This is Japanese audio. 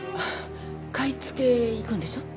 買い付け行くんでしょ？